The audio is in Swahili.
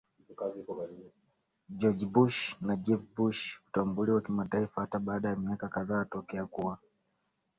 George Bush na Jeb Bush Kutambuliwa kimataifaHata baada ya miaka kadhaa tokea kuwa